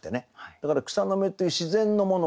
だから草の芽っていう自然のもの。